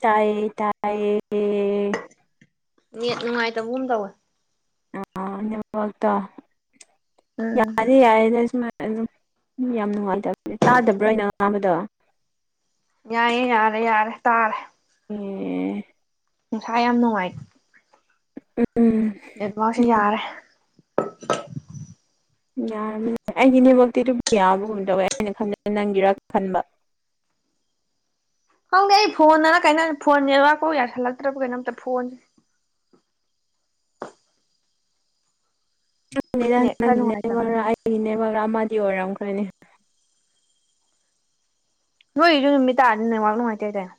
ꯇꯥꯏꯌꯦ ꯇꯥꯏꯌꯦ ꯅ ꯅꯨꯡꯉꯥꯏꯇꯕꯨꯝ ꯇꯧꯋꯦ ꯑ ꯇ ꯎꯝ ꯌꯥꯔꯦ ꯌꯥꯔꯗꯁꯃ ꯑꯗꯨ ꯌꯥꯝ ꯅꯨꯡꯉꯥꯏꯇꯕꯅꯦ ꯇꯥꯗꯕ꯭ꯔꯥꯅ ꯑꯉꯥꯡꯕꯗꯣ ꯌꯥꯏꯌꯦ ꯌꯥꯔꯦ ꯌꯥꯔꯦ ꯇꯥꯔꯦ ꯑꯦ ꯅꯨꯡꯁꯥꯏ ꯌꯥꯝ ꯅꯨꯡꯉꯥꯏ ꯎꯝ ꯏꯐꯥꯎꯁꯦ ꯌꯥꯔꯦ ꯌꯥ ꯑꯩꯒꯤꯅꯦꯕꯛꯇꯤ ꯑꯗꯨꯝ ꯌꯥꯕꯒꯨꯝ ꯇꯧꯋꯦ ꯑꯩꯅ ꯈꯟꯕꯗ ꯅꯪꯒꯤꯔ ꯈꯟꯕ [inaudible] ꯍꯪꯗꯦ ꯑꯩ ꯐꯣꯟꯗꯅ ꯀꯩꯅꯣ ꯐꯣꯟ ꯅꯦꯠꯋꯥꯛꯐꯧ ꯌꯥꯁꯜꯂꯛꯇ꯭ꯔꯕ ꯀꯩꯅꯣꯝꯇ ꯐꯣꯟꯁꯦ ꯅꯦꯠ ꯈꯔ ꯅꯪꯒꯤ ꯅꯨꯡꯉꯥꯏꯇꯝ ꯅꯔꯥ ꯑꯩꯒꯤ ꯅꯦꯕꯒꯥ ꯑꯃꯗꯤ ꯑꯣꯏꯔꯝꯈ꯭ꯔꯅꯦ ꯅꯣꯏ ꯏꯁꯨ ꯅꯨꯃꯤ ꯇꯅꯤ ꯅ ꯃꯥꯅ ꯃꯥꯇꯤ ꯇꯥꯏꯦ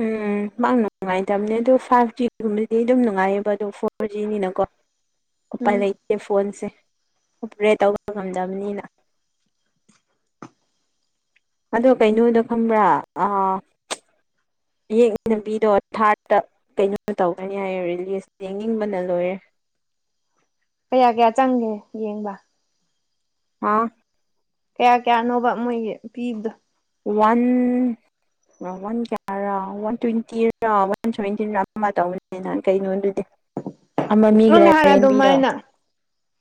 ꯎꯝ ꯃꯍꯥꯛ ꯅꯨꯡꯉꯥꯏꯇꯕꯅꯦ ꯑꯗꯨꯗꯣ ꯐꯥꯏꯚ ꯖꯤꯒꯨꯝꯕꯗꯤ ꯑꯗꯨꯝ ꯅꯨꯡꯉꯥꯏꯌꯦꯕ ꯑꯗꯣ ꯐꯣꯔ ꯖꯤꯅꯤꯅꯀꯣ ꯎꯄꯥꯏ ꯎꯝ ꯂꯩꯇꯦ ꯐꯣꯟꯁꯦ ꯑꯣꯄꯔꯦꯠ ꯇꯧꯕ ꯉꯝꯗꯕꯅꯤꯅ ꯑꯗꯣ ꯀꯩꯅꯣꯗꯣ ꯈꯪꯕ꯭ꯔꯥ ꯌꯦꯡ ꯅꯨꯄꯤꯗꯣ ꯊꯥꯔꯠꯇ ꯀꯩꯅꯣ ꯇꯧꯒꯅꯤ ꯍꯥꯏꯌꯦ ꯔꯤꯂꯤꯁ ꯌꯦꯡꯅꯤꯡꯕꯅ ꯂꯣꯏꯔꯦ [inaudible] ꯀꯌꯥ ꯀꯌꯥ ꯆꯪꯒꯦ ꯌꯦꯡꯕ ꯍꯥꯥ ꯀꯌꯥ ꯀꯌꯥꯅꯣꯕ ꯃꯣꯏꯒꯤ ꯄꯤꯕꯗꯣ ꯋꯥꯟ ꯋꯥꯟ ꯀꯌꯥꯔ ꯋꯥꯟ ꯇ꯭ꯋꯦꯟꯇꯤꯔ ꯋꯥꯟ ꯁꯚꯦꯟꯇꯤꯔ ꯑꯃꯃ ꯇꯧꯕꯅꯤꯅ ꯀꯩꯅꯣ ꯑꯗꯨꯗꯤ [inaudible] ꯅꯪ ꯅꯍꯥꯟ ꯑꯗꯨꯝ ꯍꯥꯏꯥꯏꯅ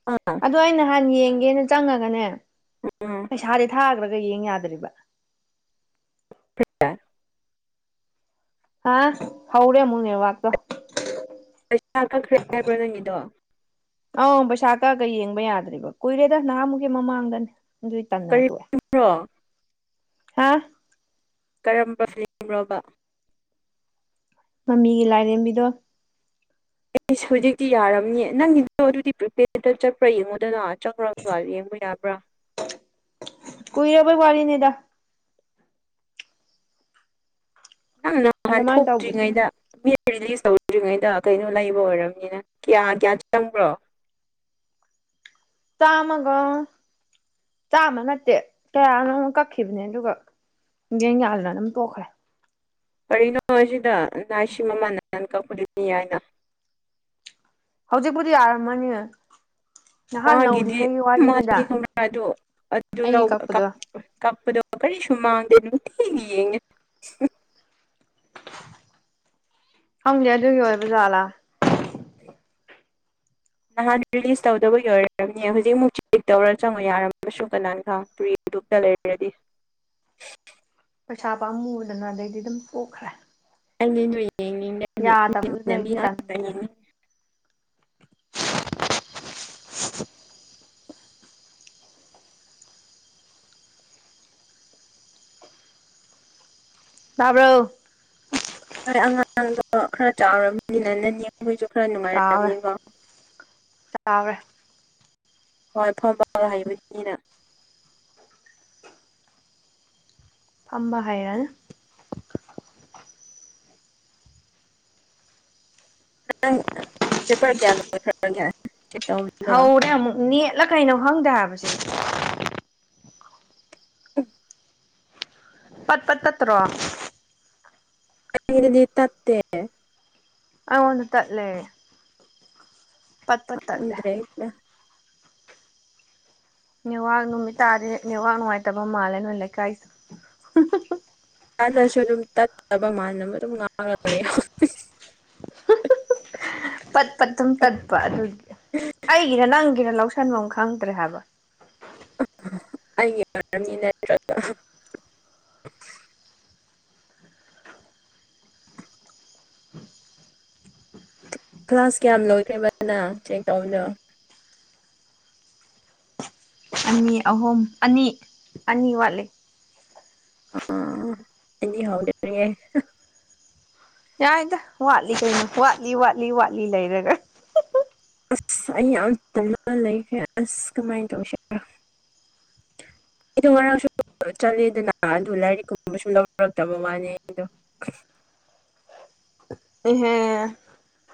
ꯑꯥ ꯑꯗ ꯑ ꯅꯍꯥꯟ ꯌꯦꯡꯒꯦꯅ ꯆꯪꯉꯒꯅꯦ ꯎꯝ ꯄꯩꯁꯥꯗꯤ ꯊꯥꯈ꯭ꯔꯒ ꯌꯦꯡ ꯌꯥꯗ꯭ꯔꯤꯕ [inaudible] ꯑ ꯍꯧꯧꯔꯦꯃꯨꯅꯤ ꯋꯥꯒ ꯄꯩꯁꯥ ꯀꯛꯈ꯭ꯔꯦ ꯍꯥꯏꯕ꯭ꯔꯣ ꯅꯪꯒꯤꯗꯣ ꯑꯪ ꯄꯩꯁꯥ ꯀꯛꯒ ꯌꯦꯡꯕ ꯌꯥꯗ꯭ꯦꯔꯤꯕ ꯀꯨꯏꯔꯦꯗ ꯅꯍꯥꯃꯨꯛ ꯃꯃꯥꯡꯗꯅꯦ ꯑꯗꯨꯏ ꯇꯟꯗꯅ ꯇꯣꯛꯑꯦ ꯀꯔꯤꯕ꯭ꯔꯣ ꯍꯥ ꯀꯔꯝꯕ ꯐꯤꯂꯝꯂꯝꯣꯕ ꯃꯃꯤꯒꯤ ꯂꯥꯏꯔꯦꯝꯕꯤꯗꯣ ꯑꯩꯁ ꯍꯧꯖꯤꯛꯇꯤ ꯌꯥꯔꯝꯅꯤ ꯅꯪꯒꯤꯗꯣ ꯑꯗꯨꯗꯤ ꯄ꯭ꯔꯤꯄꯦꯗ ꯆꯠꯄ꯭ꯔꯥ ꯌꯦꯡꯉꯣꯗꯅ ꯆꯪ꯭ꯔ ꯀ ꯌꯦꯡꯕ ꯌꯥꯕ꯭ꯔꯥ ꯀꯏꯔꯕꯋꯥꯂꯤꯅꯦꯗꯥ ꯅꯪ ꯅꯍꯥꯟ ꯑꯗꯨꯃꯥꯏꯅ ꯇꯧꯕ ꯊꯣꯛꯇ꯭ꯔꯤꯉꯩꯗ ꯔꯤꯂꯤꯁ ꯇꯧꯗ꯭ꯔꯤꯉꯩꯗ ꯀꯩꯅꯣ ꯂꯩꯕ ꯑꯣꯏꯔꯕꯝꯅꯤꯅ ꯀꯌꯥ ꯀꯌꯥ ꯆꯪꯕ꯭ꯔꯣ [inaudible] ꯇꯥ ꯃꯒꯣ ꯆꯥꯃ ꯅꯠꯇꯦ ꯀꯌꯥꯅꯣ ꯑꯃꯨꯛ ꯀꯛꯈꯤꯕꯅꯦ ꯑꯗꯨꯒ ꯌꯦ ꯌꯥꯂꯅ ꯅ ꯄꯣꯈꯔꯦ ꯀꯔꯤꯅꯣ ꯁꯤꯗ ꯅꯏ ꯁꯤ ꯃꯃꯜ ꯅꯥꯟ ꯀꯛꯄꯗꯨꯅꯤ ꯍꯥꯏꯅ ꯍꯧꯖꯤꯛꯕꯨꯗꯤ ꯑꯔꯃꯅꯤ ꯃꯥꯒꯤꯗꯤ ꯃꯥꯒꯤꯥꯗ ꯑꯩꯒꯤ ꯀꯛꯄꯗꯣ ꯑꯗꯨꯗꯣꯔꯤ ꯁꯨꯃꯗꯅ ꯊꯒꯤ ꯌꯦ ꯈꯪꯗꯦ ꯑꯗꯨꯒꯤ ꯑꯣꯏꯕꯖꯥꯠꯂꯥ ꯅꯍꯥꯟ ꯔꯤꯂꯤꯁ ꯇꯧꯗꯕꯒꯤ ꯑꯣꯏꯔꯝꯒꯅꯤꯌꯦ ꯍꯧꯖꯤꯛꯃꯨꯛ ꯆꯦꯛ ꯇꯧꯔ ꯆꯪꯉꯣ ꯌꯥꯔꯝꯃꯁꯨ ꯀꯅꯥ ꯈꯪ ꯒ ꯂꯩꯔꯔꯗꯤ ꯄꯩꯁꯥ ꯄꯥꯝꯃꯨꯗꯅ ꯑꯗꯩꯗꯤ ꯑꯗꯨꯝ ꯄꯣꯛꯈ꯭ꯔꯦ ꯑꯩꯅꯤ ꯅꯨꯏ ꯌꯥꯗꯕꯗꯨꯗꯥ ꯑꯩꯅꯥ ꯇꯟꯗꯅ ꯌꯦꯡꯅꯤꯡ [inaudible] [unintelligible] ꯇꯥꯕ꯭ꯔꯣ ꯎ ꯍꯣꯏ ꯑꯉꯥꯡꯗꯣ ꯈꯔ ꯆꯥꯎꯔꯕꯔꯕꯅꯤꯅ ꯅꯅꯦꯈꯣꯏꯁꯨ ꯈꯔꯥ ꯆꯥꯎꯔꯦ ꯅꯨꯉꯥꯏꯔꯝꯅꯤꯀꯣ ꯆꯥꯎꯔꯦ ꯍꯣꯏ ꯐꯣꯔꯕꯥ ꯍꯩꯕꯅꯤꯅ ꯐꯝꯕ ꯍꯩꯔꯦꯗꯥ ꯅꯪ ꯄꯦꯄꯔ ꯀꯌꯥ ꯂꯣꯏꯈꯔꯒꯦ ꯍꯧꯔꯦ ꯑꯃꯨꯛ ꯅꯦꯠꯂ ꯀꯩꯅꯣ ꯈꯪꯗꯦ ꯍꯥꯏꯕ ꯁꯦ ꯎ ꯄꯠ ꯄꯠ ꯇꯥꯇꯔꯣ ꯑꯩꯗꯤ ꯑꯗꯨꯗꯤ ꯇꯠꯇꯦ ꯑꯩꯉꯣꯟꯗꯥ ꯇꯠꯂꯦ ꯄꯠ ꯄꯠ ꯇꯠꯂꯦ ꯎꯗ꯭ꯔꯦ ꯅꯦꯋꯥꯛ ꯅꯨꯃꯤꯠ ꯇꯥꯔꯗꯤ ꯅꯦꯋꯥꯛ ꯅꯨꯡꯉꯥꯏꯇꯕ ꯃꯥꯜꯂꯦ ꯅꯣꯏ ꯂꯩꯀꯥꯏꯗꯨꯁꯨ ꯅꯨꯡꯉꯥꯏꯕꯥ ꯃꯥꯟꯅꯕ ꯑꯗꯨꯝ ꯉꯥꯡꯉꯥ ꯂꯩꯌꯣ ꯄꯠ ꯄꯠ ꯑꯗꯨꯝ ꯇꯠꯄ ꯑꯗꯨꯒꯤ ꯑꯩꯒꯤꯔ ꯅꯪꯒꯤꯔ ꯂꯧꯁꯟꯕꯝ ꯈꯟꯐꯝ ꯈꯪꯗ꯭ꯔꯦ ꯍꯥꯏꯕ ꯑꯩꯒꯤ ꯑꯣꯏꯔꯝꯅꯤ ꯅꯠꯇ꯭ꯔꯒ ꯀ꯭ꯂꯥꯁ ꯀꯌꯥꯝ ꯂꯣꯏꯈꯔ꯭ꯦꯕꯥ ꯅꯪ ꯆꯦꯛ ꯇꯧꯕꯗꯣ ꯑꯅꯤ ꯑꯍꯨꯝ ꯑꯅꯤ ꯑꯅꯤ ꯋꯥꯠꯂꯤ ꯑꯅꯤ ꯍꯧꯗꯔ꯭ꯤꯍꯦ ꯌꯥꯏꯗ ꯋꯥꯠꯂꯤ ꯀꯩꯅꯣ ꯋꯥꯠꯂꯤ ꯋꯥꯠꯂꯤ ꯋꯥꯠꯂꯤ ꯂꯩꯔꯒ ꯑꯁ ꯑꯩ ꯌꯥꯝ ꯇꯜꯂꯒ ꯂꯩꯈ꯭ꯔꯦ ꯑꯁ ꯀꯃꯥꯏꯅ ꯇꯧꯁꯤ ꯑꯩꯗꯣ ꯉꯔꯥꯡꯁꯨ ꯆꯠꯂꯦꯗꯅ ꯑꯗꯨ ꯂꯥꯏꯔꯤꯛ ꯀꯨꯝꯕ ꯁꯨꯝ ꯂꯧꯔꯛꯇꯕ ꯋꯥꯅꯤ ꯑꯩꯗꯣ [inaudible] [unintelligible] ꯍ [inaudible] [unintelligible]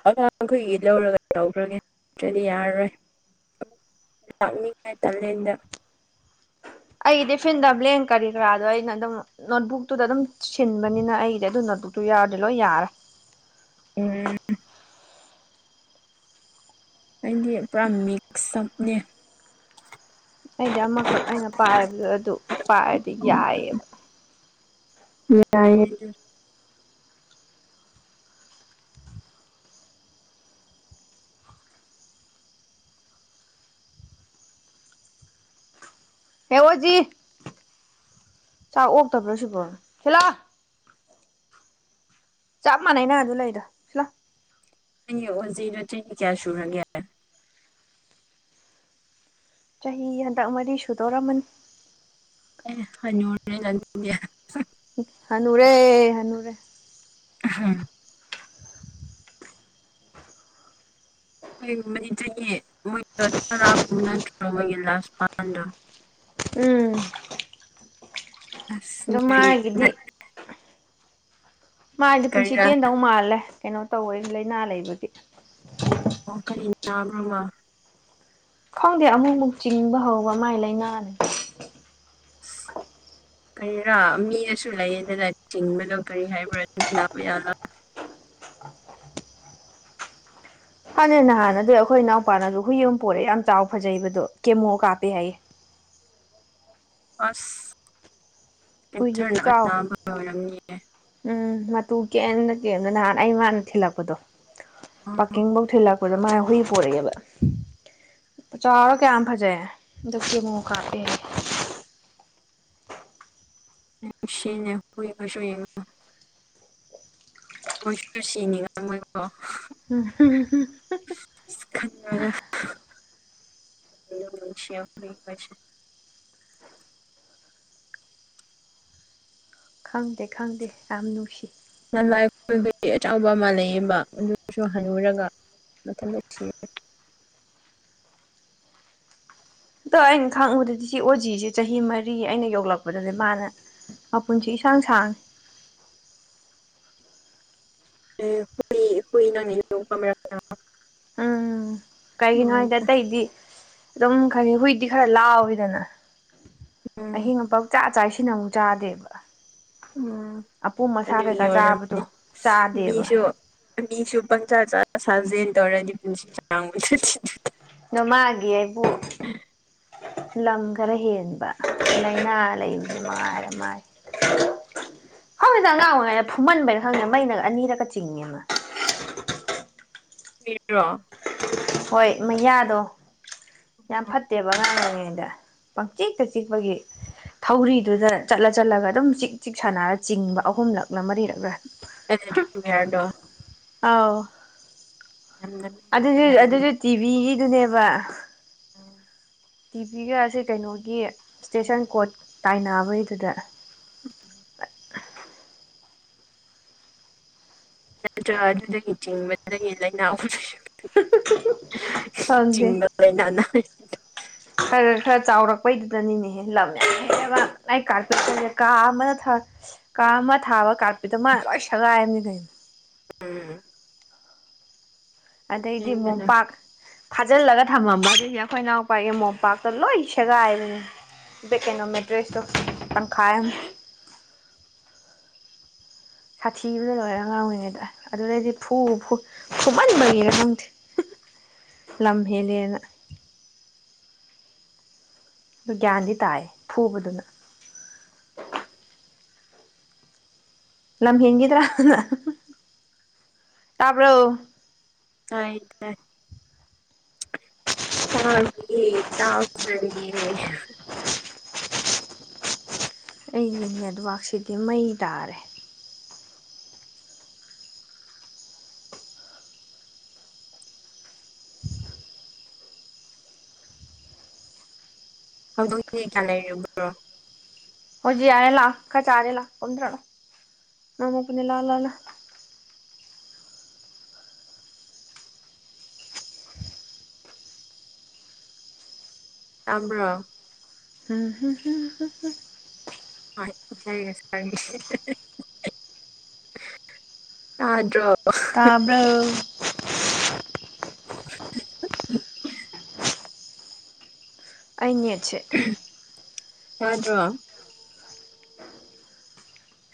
ꯑꯉꯥꯡꯈꯣꯏꯒꯤ ꯂꯧꯔꯒ ꯇꯧꯈ꯭ꯔꯒꯦ ꯅꯠꯇ꯭ꯔꯗꯤ ꯌꯥꯔꯔꯣꯏ ꯂꯥꯛꯅꯤꯡꯉꯥꯏ ꯀꯥꯂꯦꯟꯗ ꯑꯩꯒꯤꯗꯤ ꯐꯤꯟꯗ ꯕ꯭ꯂꯦꯡ ꯀꯔꯤ ꯀꯔꯥꯗꯣ ꯑꯩꯅ ꯑꯗꯨꯝ ꯅꯣꯠꯕꯨꯛꯇꯨꯗ ꯑꯗꯨꯝ ꯁꯤꯟꯕꯅꯤꯅ ꯑꯩꯒꯤꯗꯤ ꯑꯗꯨ ꯅꯣꯠ ꯇꯨ ꯌꯥꯗꯤ ꯂꯣꯏ ꯌꯔꯤ ꯑꯣꯝ ꯑꯩꯗꯤ ꯄꯨꯔꯥ ꯃꯤꯛꯁꯞꯅꯦ ꯑꯩꯗꯤ ꯑꯃꯈꯛ ꯑꯩꯅ ꯄꯥꯏꯕꯗ ꯑꯗꯨ ꯄꯥꯏꯔꯗꯤ ꯌꯥꯏꯑꯕ ꯌꯥꯏ ꯌꯥꯏ ꯍꯦ ꯑꯣꯖꯤ ꯆꯥꯛ ꯑꯣꯛꯇꯕ꯭ꯔꯥ ꯁꯤꯕ꯭ꯔꯣ ꯍꯂꯥ ꯆꯞ ꯃꯥꯟꯅꯩꯅ ꯑꯗꯨ ꯂꯩꯗ ꯁꯤꯂ ꯑꯣꯖꯤꯔꯣꯇꯤꯟ ꯀꯌꯥꯁꯨꯨꯔꯒꯌꯥ ꯆꯍꯤ ꯍꯟꯗꯛ ꯃꯔꯤ ꯁꯨꯗꯣꯔꯃꯅꯤ ꯑꯦ ꯍꯣꯣꯔ ꯅꯌꯥ [inaudible] [unintelligible] ꯍꯅꯨꯨꯔꯦ ꯍꯅꯨꯔꯨꯔꯦ ꯍꯥꯝ ꯃ ꯆ ꯃꯣꯏ ꯇꯔꯥꯒ ꯅꯠꯇ꯭ꯔꯣ ꯃꯣꯏꯒꯤ ꯂꯥꯁ ꯃꯥꯟꯗꯣ ꯎꯝ ꯑꯗꯣ ꯑꯁꯌꯦ ꯃꯥꯒꯤꯗꯤ ꯃꯥꯗꯤ ꯄꯨꯟꯁꯤ ꯇꯦꯟꯗꯧ ꯃꯥꯜꯂꯦ ꯀꯩꯅꯣ ꯇꯧꯋ ꯂꯥꯏꯅꯥ ꯂꯩꯕꯗꯤ ꯑꯣ ꯀꯔꯤ꯭ꯔꯣꯃ ꯈꯪꯗꯦ ꯑꯃꯨꯛꯃꯨꯛ ꯆꯤꯡꯕ ꯍꯧꯕ ꯃꯥꯏ ꯂꯥꯏꯅꯥꯅꯦ [inaudible] ꯀꯔꯤꯔꯥ ꯃꯤ ꯑꯁꯨ ꯂꯩꯌꯦꯗꯅ ꯆꯤꯡꯕꯗꯣ ꯀꯔꯤ ꯍꯥꯏꯕ꯭ꯔꯥ ꯑꯗꯨ ꯂꯕ ꯌꯥꯂ ꯍꯥꯟꯅꯦ ꯅꯍꯥꯟꯅ ꯑꯗꯨ ꯑꯩꯈꯣꯏ ꯏꯅꯥꯎꯄꯥꯅꯁꯨ ꯍꯨꯏ ꯑꯃ ꯄꯣꯔꯛꯑꯦ ꯌꯥꯝ ꯆꯥꯎ ꯐꯖꯩꯕꯗꯣ ꯀꯦꯃꯣ ꯀꯥꯞꯄꯦ ꯍꯥꯏꯌꯦꯦ [inaudible] ꯑꯁ ꯍꯨꯏꯗꯤ ꯀꯦꯟꯁꯔꯅ ꯈꯨꯆꯥꯎ ꯑꯅꯥꯕ ꯑꯣꯏꯔꯝꯅꯤꯌꯦ ꯎꯝ ꯃꯇꯨ ꯀꯦꯝꯗ ꯀꯦꯝꯗ ꯅꯍꯥꯟ ꯑꯩ ꯃꯥꯅ ꯊꯤꯜꯂꯛꯄꯗꯣ ꯑꯣ ꯄꯥꯀꯤꯡꯐꯧ ꯊꯤꯜꯂꯛꯄ ꯗ ꯃꯥꯅ ꯍꯨꯏ ꯄꯣꯔꯛꯑꯦꯕ ꯆꯥꯔꯣ ꯀꯌꯥꯝ ꯐꯖꯩꯌꯦ ꯑꯗꯨ ꯀ ꯑꯃꯣꯛ ꯀꯥꯞꯄꯦ ꯁꯤ ꯅ ꯍꯣꯏ ꯑꯁꯣꯏꯉ ꯃꯣꯏꯁꯨ ꯁꯤꯅꯤꯉꯥꯏ ꯃꯣꯏꯀꯣ ꯎ ꯁꯤ ꯐꯔꯤ ꯍꯥꯏꯁ ꯈꯪꯗꯦ ꯈꯪꯗꯦ ꯌꯥꯝ ꯅꯨꯡꯁꯤ ꯅ ꯂꯥꯏ ꯈꯨꯨꯜꯕꯗꯤ ꯑꯆꯕ ꯑꯃ ꯂꯩꯌꯦꯕ ꯑꯗꯨꯁꯨ ꯍꯜꯂꯨꯔꯒ ꯃꯊꯪ ꯑꯗꯣ ꯑꯩꯅ ꯈꯪꯉꯨꯗꯗꯤ ꯁꯤ ꯑꯣꯖꯤꯁꯦ ꯆꯍꯤ ꯃꯔꯤ ꯑꯩꯅ ꯌꯧꯂꯛꯄꯗꯅꯦ ꯃꯥꯅ ꯑꯩꯨꯟꯆ ꯁꯥꯡ ꯁꯥꯡ [inaudible] ꯍꯨꯏ ꯍꯨꯏ ꯉꯂꯣ ꯀꯔꯥ ꯎꯝ ꯀꯩꯒꯤꯅꯣ ꯍꯥꯏꯗ ꯑꯇꯩꯗꯤ ꯑꯗꯨꯝ ꯈꯅꯤ ꯍꯨꯏꯗꯤ ꯈꯔ ꯂꯥꯎꯋꯤꯗꯅ ꯎꯝ ꯑꯍꯤꯡ ꯑꯃ ꯄꯛ ꯆꯥꯛ ꯆꯁꯤꯅ ꯑꯃꯨꯛ ꯆꯥꯗꯦꯕ ꯎꯝ ꯑꯄꯣ ꯑꯁꯥ ꯑꯗꯨꯒꯤ ꯀꯩꯀꯥ ꯆꯥꯕꯗꯣ ꯆꯥꯗꯦꯕ ꯑ ꯃꯤꯁꯨ ꯄꯪꯆꯥ ꯆꯥ ꯁꯥꯖꯦꯜ ꯇꯧꯔꯗꯤ ꯄꯨꯟꯁꯤ ꯁꯥꯡꯕꯁꯨ ꯅꯃꯒꯦ ꯑꯩꯕꯨꯣ ꯂꯪꯒꯔ ꯍꯦꯟꯕ ꯑꯥꯏꯩꯅꯂ ꯃꯥꯔ ꯃꯥ ꯍꯧꯖꯤꯗ ꯑꯉꯥꯡ ꯑꯣꯏꯔꯤꯉꯩꯗ ꯐꯨꯝꯍꯟꯕꯩꯅ ꯈꯪꯗꯦꯅ ꯃꯩꯅ ꯑꯅꯤꯔꯀ ꯆꯤꯡꯉꯦ ꯑꯃ ꯃꯤ꯭ꯔꯣ ꯍꯣꯏ ꯃꯩꯌꯥꯗꯣ ꯌꯥꯝ ꯐꯠꯇꯦꯕ ꯉꯥꯡꯕꯉꯅ ꯗ ꯄꯪꯆꯤꯛꯇ ꯆꯤꯛꯄꯒꯤ ꯊꯧꯔꯤꯗꯨꯗ ꯆꯠꯂ ꯆꯠꯂꯒ ꯑꯗꯨꯝ ꯆꯤꯛ ꯆꯤꯛ ꯁꯥꯟꯅꯔ ꯆꯤꯡꯕ ꯑꯍꯨꯝꯂꯛꯂꯥ ꯃꯔꯤꯔꯛꯂꯥ ꯌꯥꯔꯗꯣ ꯑꯥꯎ ꯌꯥꯝꯅ ꯃꯦꯟꯕ ꯑꯗꯨꯁꯨ ꯑꯗꯨꯁꯨ ꯌꯥꯅꯤꯡꯗꯦ ꯇꯤꯚꯤꯒꯤꯗꯨꯅꯦꯕ ꯇꯤꯚꯤꯒ ꯑꯁꯤꯦ ꯀꯩꯅꯣꯒꯤ ꯏꯁꯇꯦꯁꯟ ꯀꯣꯔꯠ ꯇꯥꯏꯅꯕꯩꯗꯨꯗ [inaudible] ꯅꯠꯇ꯭ꯔꯒ ꯑꯗꯨꯗꯒꯤ ꯆꯤꯡꯕꯗꯒꯤ ꯂꯥꯏꯅꯥ ꯑꯍꯨꯝ ꯈꯪꯗꯦ ꯆꯤꯡꯅꯅꯅ ꯈꯔ ꯈꯔ ꯆꯥꯎꯔꯛꯄꯩꯗꯨꯗꯅꯤꯅꯦꯍꯦ ꯂꯝ ꯌꯥꯝ ꯍ ꯂ ꯀꯥꯔꯀꯠꯀꯁꯦ ꯀꯥ ꯑꯃꯅ ꯆꯥ ꯑꯃ ꯊꯥꯕ ꯀꯥꯠꯄꯤꯗ ꯃꯥꯅ ꯂꯣꯏ ꯁꯒꯥꯏꯔꯝꯅꯤ ꯀꯩꯅ ꯎꯝ ꯑꯗꯩꯗꯤ ꯃꯦꯟꯕꯅ ꯃꯣꯝꯄꯥꯛ ꯐꯥꯖꯤꯜꯂꯒ ꯊꯝꯃꯝꯕ ꯑꯗꯨꯁꯦ ꯑꯩꯈꯣꯏ ꯏꯅꯥꯎꯄꯥꯒꯤ ꯃꯣꯝꯄꯥꯛꯇ ꯂꯣꯏ ꯁꯦꯒꯥꯏꯕꯅꯦ ꯦꯛꯀꯩꯅꯣꯝꯃꯦ ꯗ꯭ꯔꯦꯁꯇ ꯄꯟꯈꯥꯏ [inaudible] ꯁꯥꯊꯤꯕꯗ ꯂꯣꯏꯔ ꯉꯥꯡꯉꯤꯅꯦꯗ ꯑꯗꯨꯗꯩꯗꯤ ꯐꯨ ꯐꯨꯍꯟꯕꯒꯤꯔ ꯈꯪꯗꯦ [inaudible] ꯂꯦꯝꯍꯦꯜꯂ ꯑꯗꯨ ꯒ꯭ꯌꯥꯟꯗꯤ ꯇꯥꯏ ꯐꯨꯕꯗꯨꯅ ꯂꯝꯍꯦꯟꯈꯤꯗ꯭ꯔꯥ ꯇꯥꯕ꯭ꯔꯣ ꯀꯥꯏ ꯇ ꯇꯥꯔꯌꯦ ꯇꯥꯎꯖꯔꯤꯌꯦ ꯑꯩꯒꯤ ꯅꯦꯠꯋꯥꯛꯁꯤꯗꯤ ꯃꯩ ꯇꯥꯔꯦ ꯍꯧꯗꯣꯛ ꯀꯌꯥ ꯂꯩ꯭ꯔꯣ ꯑꯣꯖꯤ ꯌꯥ ꯂ ꯀ ꯆꯥꯔꯦ ꯂ ꯀꯟ ꯇ꯭ꯔꯅꯣ ꯑꯃ ꯄꯨꯅꯦ ꯂꯥ ꯂꯅ ꯇꯕ꯭ꯔ ꯝ ꯏꯁꯩ ꯉꯁ ꯌꯥꯥꯗ꯭ꯔꯣ ꯇꯥꯕ [inaudible] ꯑꯆꯦ ꯌꯥꯗ꯭ꯔꯣ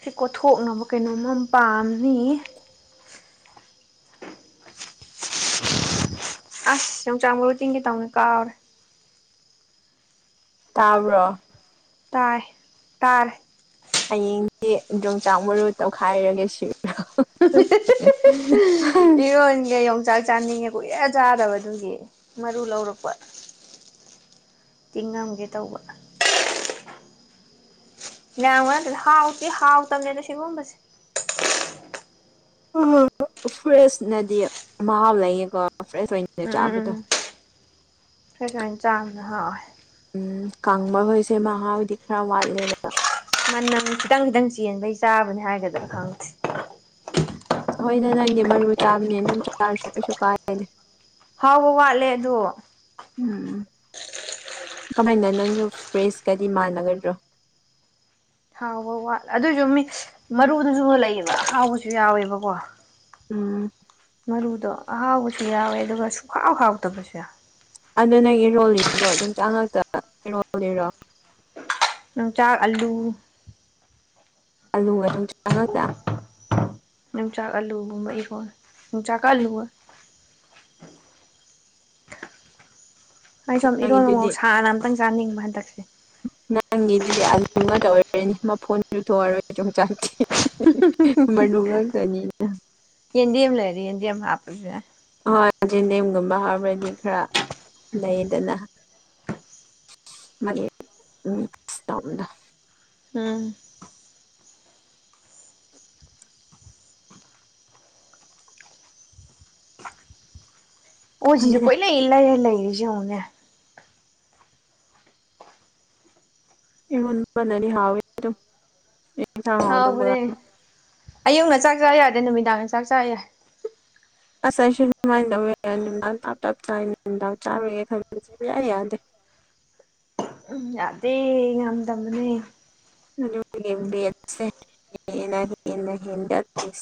ꯁꯤ ꯀꯣꯠꯊꯣꯛꯅꯕ ꯀꯩꯅꯣꯝꯃꯝ ꯄꯥꯝꯃꯤ ꯑꯁ ꯌꯣꯡꯆꯥꯡ ꯃꯔꯕꯨ ꯆꯤꯡꯒꯦ ꯇꯧꯅꯤ ꯀꯥꯎꯔꯦ ꯇꯥꯕ꯭ꯔꯣ ꯇꯥꯏ ꯇꯔ ꯍꯌꯦꯡꯗꯤ ꯌꯣꯡꯆꯥꯛ ꯃꯔꯨ ꯇꯧꯈꯥꯏꯔꯒꯦ ꯁꯤꯔ ꯏꯔꯣꯟꯒ ꯌ ꯆꯥꯛ ꯆꯥꯅꯤꯡꯉꯦ ꯀꯨꯏꯍ ꯆꯥꯗꯕ ꯑꯗꯨꯒꯤ ꯃꯔꯨ ꯂꯧꯔꯛꯄ ꯇꯤꯡꯉꯝꯒꯦ ꯇꯧꯕ ꯂꯌꯥꯝ ꯋꯥ ꯅ ꯍꯥꯎꯇ ꯍꯥꯎ ꯇꯕꯅꯦꯅ ꯁꯤꯒꯨꯝꯕꯁꯦ ꯐ꯭ꯔꯦꯁꯅꯗꯤ ꯃꯍꯥꯎ ꯂꯩꯌꯦꯀꯣ ꯐ꯭ꯔꯦꯁ ꯑꯣꯏꯅ ꯆꯥꯕꯗꯣ ꯑꯩ ꯁꯨꯃꯥꯏꯅ ꯆꯥꯡꯅ ꯍꯛꯑꯣꯏ ꯎꯝ ꯀꯥꯡꯪꯕꯈꯣꯏꯁꯦ ꯃꯍꯥ ꯍꯣꯏꯗꯤ ꯈꯔ ꯋꯥꯠꯂꯦꯕꯗ ꯃꯅꯝ ꯈꯤꯇꯪ ꯈꯤꯇꯪ ꯆꯦꯟꯕꯩ ꯆꯥꯕꯅꯤ ꯍꯥꯏꯒꯗ꯭ꯔꯥ ꯈꯪꯗꯦ ꯍꯣꯏꯗ ꯅꯪꯗꯤ ꯃꯔꯨ ꯆꯥꯕꯅꯦ ꯑꯗꯨꯝ ꯆꯥꯔꯁꯨ ꯀꯩꯁꯨ ꯀꯥꯏꯔꯦꯅꯦ ꯍꯥꯎꯕ ꯋꯥꯠꯂꯦ ꯑꯗꯨ ꯎꯝ ꯀꯃꯥꯏꯅ ꯅꯪꯒꯤ ꯄ꯭ꯔꯦꯁꯀꯗꯤ ꯃꯥꯟꯅꯒꯗ꯭ꯔꯣ ꯍꯥꯎꯕ ꯋꯥꯠꯂ ꯑꯗꯨꯑꯣꯏꯁꯨ ꯃꯤ ꯃꯔꯨꯗꯨꯁꯨꯅ ꯂꯩꯑꯕ ꯍꯥꯎꯕꯁꯨ ꯌꯥꯎꯋꯦꯕꯀꯣ ꯎꯝ ꯃꯔꯨꯗꯣ ꯑꯍꯥꯎꯕꯁꯨ ꯌꯥꯎꯋꯦ ꯑꯗꯨꯒ ꯁꯨꯡꯈꯥꯎ ꯈꯥꯎꯗꯕꯁꯨ ꯌꯥ ꯑꯗꯨ ꯅꯪ ꯏꯔꯣꯜꯂꯤꯗꯣ ꯑꯗꯨꯝ ꯆꯉꯛꯇ ꯏꯔꯣꯜꯂꯤꯔꯣ ꯣꯡꯆꯥꯛ ꯑꯜꯂꯨ ꯑꯥꯂꯨ ꯑꯗꯨ ꯑꯗꯨꯝ ꯆꯪꯉꯄ꯭ꯔꯥ ꯣꯡꯆꯥꯛ ꯑꯥꯜꯂꯨꯒꯨꯝꯕ ꯏꯀꯣ ꯌꯣꯡꯆꯥꯛꯀ ꯑꯥꯜꯂꯨ ꯑꯩ ꯁꯨꯝꯝ ꯏꯔꯣꯟ ꯃꯃꯥꯎ ꯅꯪꯒꯤꯗꯨꯗꯤ ꯁꯥꯅ ꯑꯝꯇꯪ ꯆꯥꯅꯤꯡꯕ ꯍꯟꯗꯛꯁꯦ ꯅꯪꯒꯤꯗꯨꯗꯤ ꯑꯗꯨ ꯉꯇ ꯑꯣꯏꯔꯅꯤ ꯃꯐꯣꯟ ꯆꯨꯊꯣꯛꯑꯔꯣꯏꯁꯨ ꯍꯛꯆꯥꯛ [inaudible] ꯇꯅꯤꯅ ꯌꯦꯟꯝ ꯂꯩꯔꯦ ꯌꯦꯟꯗꯤ ꯌꯥꯝ ꯍꯥꯥꯄꯦ ꯍꯣꯏ ꯦꯟꯗꯦꯝꯒꯨꯝꯕ ꯍꯥꯏꯔꯗꯤ ꯈꯔ ꯂꯩꯗꯅ ꯃꯔꯤ ꯃꯤꯁ ꯎꯗ ꯎꯝ ꯑꯣꯖꯤꯁꯨꯦ ꯈꯪꯗꯦꯗ ꯀꯣꯏꯅ ꯏ ꯂꯩꯔ ꯂꯩꯔꯤꯁꯦ ꯍꯨꯅꯦ ꯅꯅꯤ ꯍꯥꯎ ꯊꯥꯡ ꯍ ꯑꯗꯨ ꯑꯌꯨꯛ ꯉ ꯆꯥꯛ ꯆꯥꯕ ꯌꯥꯗꯦ ꯅꯨꯃꯤꯗꯥꯡꯒ ꯆꯥꯛ ꯆꯥ ꯌꯥꯏ ꯑꯁꯥꯏꯁꯨ ꯅꯨꯡꯃꯥꯏꯗꯋ ꯆꯞ ꯆꯥ ꯗꯥꯡ ꯆꯥꯔꯤꯒꯦ ꯈꯟꯃꯤꯁꯦꯕꯌꯥꯏ ꯌꯥꯗꯦ ꯎꯝ ꯌꯥꯗꯦ ꯌꯥꯝꯗꯕꯅꯦ [inaudible]